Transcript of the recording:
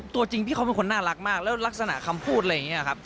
ตัวจริงพี่เขาเป็นคนน่ารักมากแล้วลักษณะคำพูดอะไรอย่างนี้ครับ